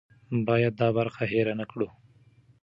باید دا برخه هېره نه کړو.